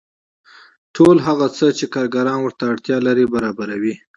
ټول هغه څه چې کارګران ورته اړتیا لري برابروي